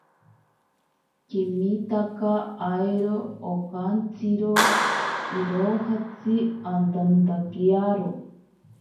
Kimitaka airo akantsiro irojatsi antantakiaro.